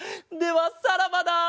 ではさらばだ！